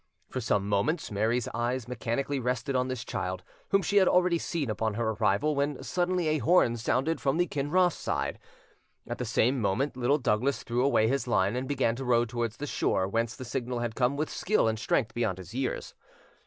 For some moments Mary's eyes mechanically rested on this child, whom she had already seen upon her arrival, when suddenly a horn sounded from the Kinross side. At the same moment Little Douglas threw away his line, and began to row towards the shore whence the signal had come with skill and strength beyond his years.